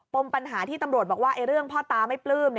มปัญหาที่ตำรวจบอกว่าเรื่องพ่อตาไม่ปลื้ม